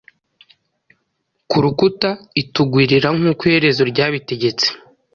Ku rukuta itugwirira nkuko Iherezo ryabitegetse